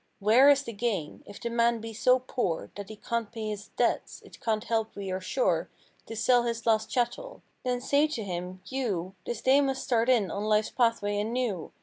Where is the gain? If the man be so poor That he can't pay his debts, it can't help we are sure To sell his last chattel—then say to him—"You This day must start in on Life's pathway anew."